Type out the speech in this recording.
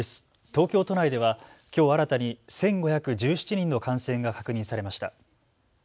東京都内ではきょう新たに１５１７人の感染が確認されました。